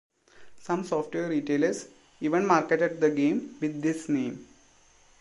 Some software retailers even marketed the game with this name.